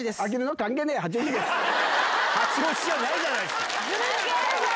関係ねぇよ、八王子じゃないじゃないですか。